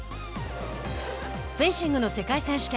フェンシングの世界選手権。